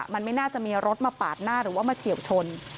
มันไม่น่าจะมีรถมาปาดหน้าหรือว่ามาเฉียวชน